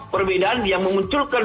perbedaan yang memunculkan